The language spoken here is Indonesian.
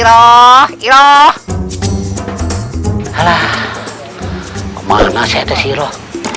oh iroh ala kemarin masih ada siroh